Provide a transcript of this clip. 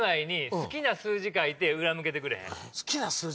好きな数字か。